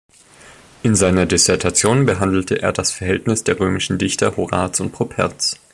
In seiner Dissertation behandelte er das Verhältnis der römischen Dichter Horaz und Properz.